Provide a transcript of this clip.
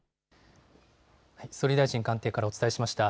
総理大臣官邸からお伝えしました。